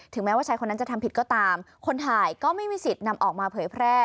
แม้ว่าชายคนนั้นจะทำผิดก็ตามคนถ่ายก็ไม่มีสิทธิ์นำออกมาเผยแพร่